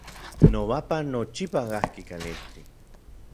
Nobapan nochipa kajki kalijtik.